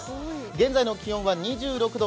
現在の気温は２６度。